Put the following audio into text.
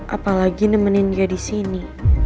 apalagi nemenin dia disini